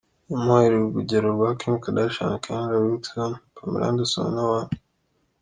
Yamuhaye urugero rwa Kim Kardashian, Kendra Wilkinson, Pamela Anderson n’abandi.